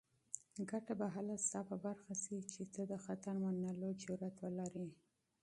ګټه به هله ستا په برخه شي چې ته د خطر منلو جرات ولرې.